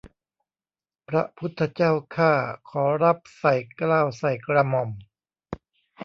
พระพุทธเจ้าข้าขอรับใส่เกล้าใส่กระหม่อม